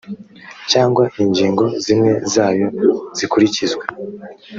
cyangwa ingingo zimwe zayo zikurikizwa